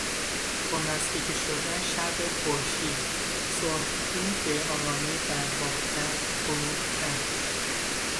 با نزدیک شدن شب خورشید سرخگون به آرامی در باختر غروب کرد.